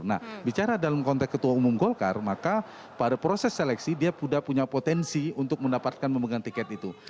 nah bicara dalam konteks ketua umum golkar maka pada proses seleksi dia sudah punya potensi untuk mendapatkan memegang tiket itu